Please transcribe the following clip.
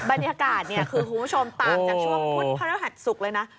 บรรยากาศคือคุณผู้ชมตามจากช่วงพุธพระราชศุกร์เลยนะ